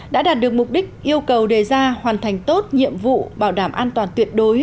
đã đạt được mục đích yêu cầu đề ra hoàn thành tốt nhiệm vụ bảo đảm an toàn tuyệt đối